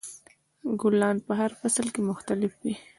ګلان په هر فصل کې مختلف وي.